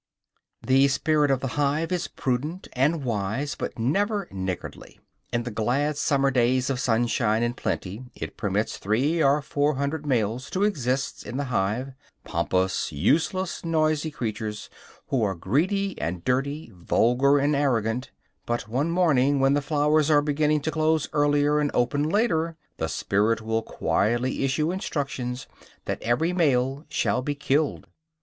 The spirit of the hive is prudent and wise, but never niggardly. In the glad summer days of sunshine and plenty it permits three or four hundred males to exist in the hive pompous, useless, noisy creatures, who are greedy and dirty, vulgar and arrogant; but, one morning when the flowers are beginning to close earlier and open later, the spirit will quietly issue instructions that every male shall be killed.